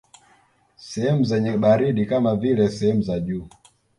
Sehemu zenye baridi kama vile sehemu za juu